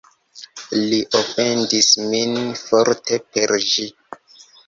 Li ofendis min forte per ĝi.